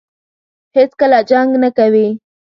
هېڅکله جنګ نه کوي.